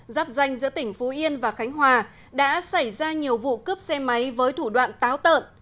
giáp danh giữa tỉnh phú yên và khánh hòa đã xảy ra nhiều vụ cướp xe máy với thủ đoạn táo tợn